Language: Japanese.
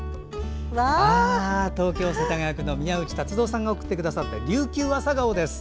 東京・世田谷区の宮内辰蔵さんが送ってくださった琉球朝顔です。